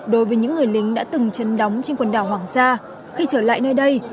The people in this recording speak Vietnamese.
đối với những người lính đã từng chân đóng trên quần đảo hoàng sa khi trở lại nơi đây